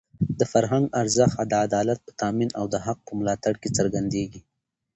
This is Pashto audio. د فرهنګ ارزښت د عدالت په تامین او د حق په ملاتړ کې څرګندېږي.